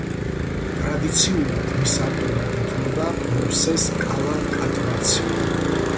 ტრადიციულად მის ავტორად ითვლება მოვსეს კალანკატვაცი.